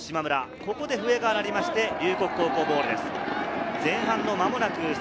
ここで笛が鳴って、龍谷高校ボールです。